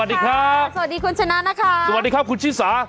สวัสดีครับสวัสดีคุณชนะนะคะสวัสดีครับคุณชิสา